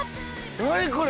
何これ？